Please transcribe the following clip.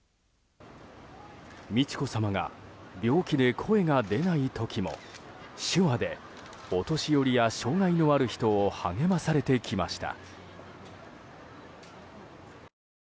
美智子さまが病気で声が出ない時も手話で、お年寄りや障害のある人を励まされてきました。